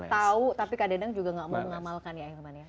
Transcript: tahu tapi kadang kadang juga gak mau mengamalkan ya